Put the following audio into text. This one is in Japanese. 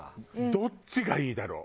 どっちがいいだろう？